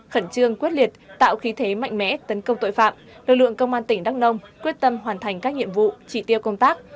khẩn trương quyết liệt tạo khí thế mạnh mẽ tấn công tội phạm lực lượng công an tỉnh đắk nông quyết tâm hoàn thành các nhiệm vụ trị tiêu công tác